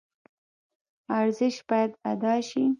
ارزش باید ادا شي.